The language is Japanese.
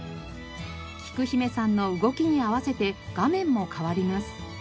きく姫さんの動きに合わせて画面も変わります。